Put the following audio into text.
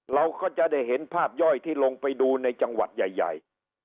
เราก็จะได้เห็นภาพย่อยที่ลงไปดูในจังหวัดใหญ่